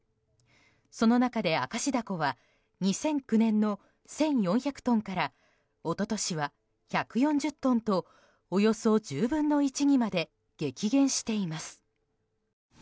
その中で、明石ダコは２００９年の１４００トンから一昨年は１４０トンとおよそ１０分の１にまで激減しています。